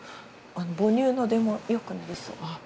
母乳の出も良くなりそう。